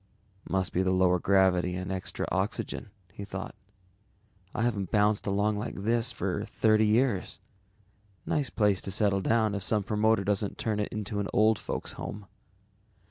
Must be the lower gravity and extra oxygen, he thought. _I haven't bounced along like this for thirty years. Nice place to settle down if some promoter doesn't turn it into an old folks home.